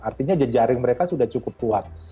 artinya jejaring mereka sudah cukup kuat